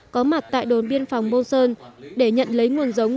có mặt tại đồn biên phòng bô sơn để nhận lấy nguồn giống